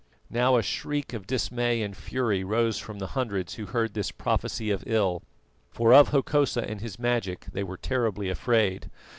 Now a shriek of dismay and fury rose from the hundreds who heard this prophesy of ill, for of Hokosa and his magic they were terribly afraid.